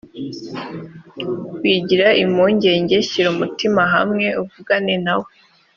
wigira impungenge shyira umutima hamwe uvugane na we